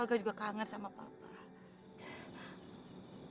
keluarga juga kangen sama papa